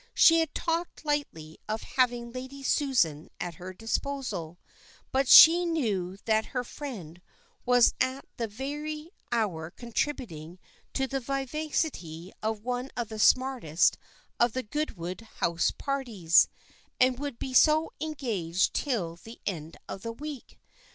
She had talked lightly of having Lady Susan at her disposal, but she knew that her friend was at that very hour contributing to the vivacity of one of the smartest of the Goodwood house parties, and would be so engaged till the end of the week.